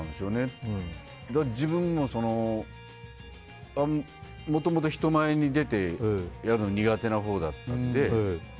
自分ももともと人前に出てやるのは苦手なほうだったので。